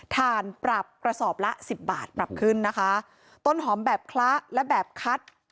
ถ่านปรับประสอบละ๑๐บาทต้นหอมแบบคล้าและแบบคัด